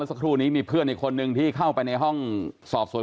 สักครู่นี้มีเพื่อนอีกคนนึงที่เข้าไปในห้องสอบสวน